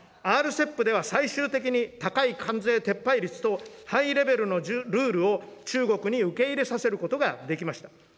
ＲＣＥＰでは、最終的に高い関税撤廃率と、ハイレベルのルールを中国に受け入れさせることができました。